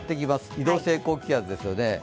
移動性高気圧ですよね。